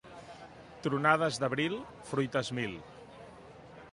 Tronades d'abril, fruites mil.